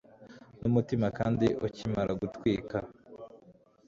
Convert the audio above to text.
Numutima kandi ukimara gutwika